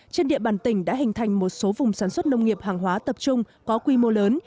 trên địa bàn tỉnh đã hình thành một số vùng sản xuất nông nghiệp hàng hóa tập trung có quy mô lớn